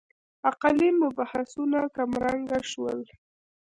عقلي مبحثونه کمرنګه شول.